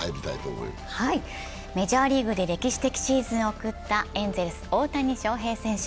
メジャーリーグで歴史的シーズンを送ったエンゼルス・大谷翔平選手。